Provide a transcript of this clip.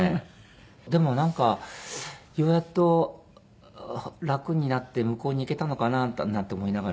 でもなんかようやっと楽になって向こうにいけたのかななんて思いながら。